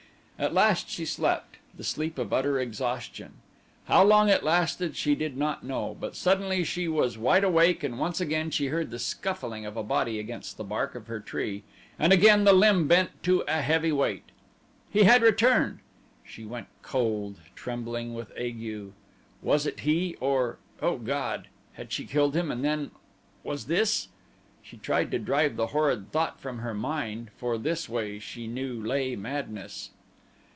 At last she slept, the sleep of utter exhaustion. How long it lasted she did not know; but suddenly she was wide awake and once again she heard the scuffing of a body against the bark of her tree and again the limb bent to a heavy weight. He had returned! She went cold, trembling as with ague. Was it he, or, O God! had she killed him then and was this ? She tried to drive the horrid thought from her mind, for this way, she knew, lay madness.